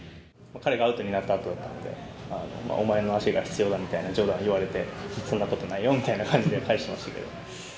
彼がアウトになったあとだったので、お前の足が必要だみたいな冗談言われて、そんなことないよみたいな感じで返してましたけど。